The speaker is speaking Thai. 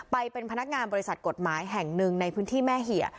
ไปเป็นพนักงานบริษัทกฎหมายแห่งหนึ่งในพื้นที่แม่เหี่ย